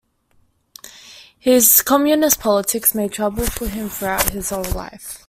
His communist politics made trouble for him throughout his whole life.